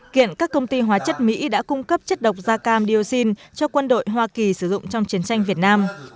kiện các công ty hóa chất mỹ đã cung cấp chất độc da cam dioxin cho quân đội hoa kỳ sử dụng trong chiến tranh việt nam